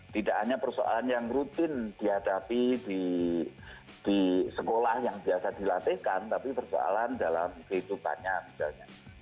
tidak hanya persoalan yang rutin dihadapi di sekolah yang biasa dilatihkan tapi persoalan dalam kehidupannya misalnya